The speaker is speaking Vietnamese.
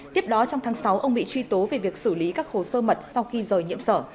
tiếp đó trong tháng sáu ông bị truy tố về việc xử lý các khổ sơ mật sau khi rời nhiễm sở